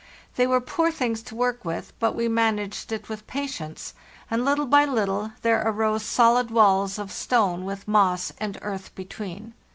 They were poor things to work with, but we managed it with patience, and little by little there arose solid walls of stone with moss and earth between.